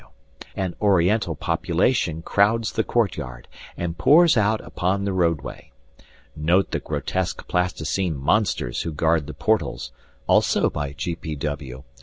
P. W. An oriental population crowds the courtyard and pours out upon the roadway. Note the grotesque plasticine monsters who guard the portals, also by G. P. W.